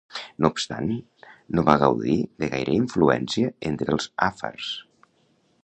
No obstant no va gaudir de gaire influència entre els àfars.